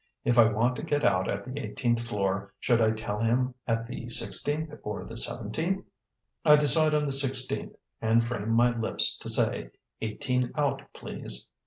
If I want to get out at the eighteenth floor, should I tell him at the sixteenth or the seventeenth? I decide on the sixteenth and frame my lips to say, "Eighteen out, please."